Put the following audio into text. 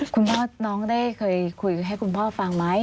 คุณพ่อน้องได้เคยคุยให้คุณพ่อฟังไหม